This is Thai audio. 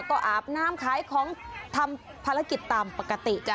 ก็อาบน้ำขายของทำภารกิจตามปกติจ้ะ